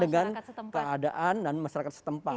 dengan keadaan dan masyarakat setempat